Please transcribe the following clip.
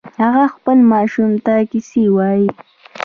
هغه خپل ماشوم ته کیسې وایې